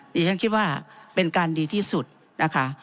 ดิฉันคิดว่าเป็นการดีที่สุดนะคะ